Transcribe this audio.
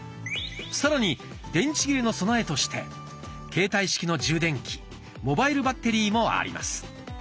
さらに電池切れの備えとして携帯式の充電器「モバイルバッテリー」もあります。